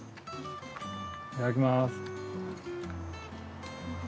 いただきます。